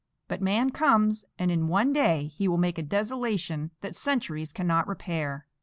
But man comes, and in one day he will make a desolation that centuries cannot repair.